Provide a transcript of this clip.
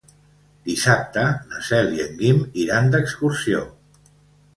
Dissabte na Cel i en Guim iran d'excursió.